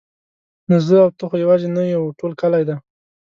نو زه او ته خو یوازې نه یو ټول کلی دی.